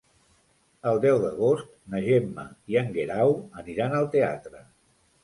El deu d'agost na Gemma i en Guerau aniran al teatre.